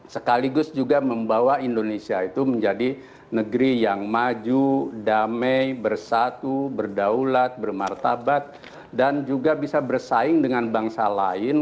sekaligus juga membawa indonesia itu menjadi negeri yang maju damai bersatu berdaulat bermartabat dan juga bisa bersaing dengan bangsa lain